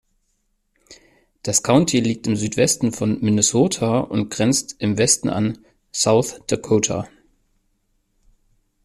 Das County liegt im Südwesten von Minnesota und grenzt im Westen an South Dakota.